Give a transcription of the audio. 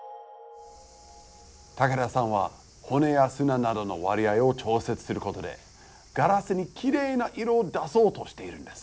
竹田さんは骨や砂などの割合を調節することでガラスにきれいな色を出そうとしているんです。